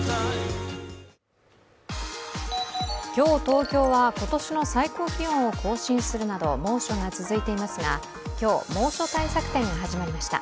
今日、東京は今年の最高気温を更新するなど猛暑が続いていますが今日、猛暑対策展が始まりました。